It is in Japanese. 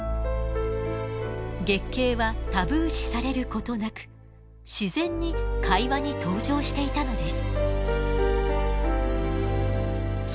月経はタブー視されることなく自然に会話に登場していたのです。